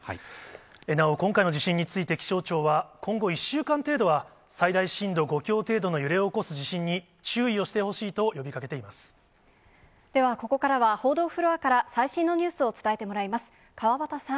なお今回の地震について、気象庁は、今後１週間程度は、最大震度５強程度の揺れを起こす地震に注意をしてほしいと呼びかではここからは、報道フロアから最新のニュースを伝えてもらいます。